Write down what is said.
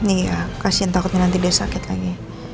iya kasihan takutnya nanti dia sakit lagi